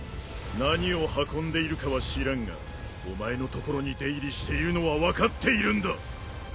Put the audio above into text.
何を運んでいるかは知らんがお前の所に出入りしているのは分かっているんだ。